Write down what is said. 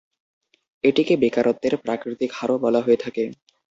এটিকে বেকারত্বের প্রাকৃতিক হারও বলা হয়ে থাকে।